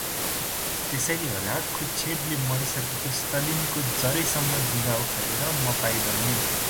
त्यसैले होला खुश्चेभले मरिसकेका स्तालिनको जरैसम्म जुँघा उखेलेर मपाई बने।